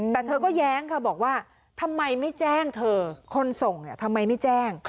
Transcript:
แต่เธอก็แย้งค่ะบอกว่าทำไมไม่แจ้งเธอคนส่งเนี่ยทำไมไม่แจ้ง